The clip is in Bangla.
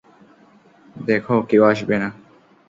দেখো, কেউ আসবে না।